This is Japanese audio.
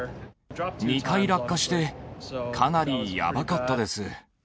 ２回落下して、かなりやばかったです。